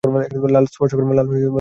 লাশ স্পর্শ করা যাবে না।